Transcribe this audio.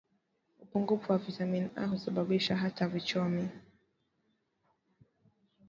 upungufu wa vitamini A husababisha hata vichomi